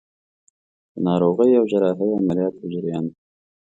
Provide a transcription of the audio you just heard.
د ناروغۍ او جراحي عملیاتو په جریان کې.